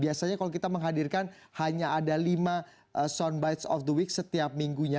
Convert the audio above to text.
biasanya kalau kita menghadirkan hanya ada lima soundbites of the week setiap minggunya